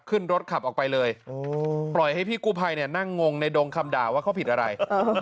ขึ้นรถขับออกไปเลยปล่อยให้พี่กู้ภัยเนี่ยนั่งงงในดงคำด่าว่าเขาผิดอะไร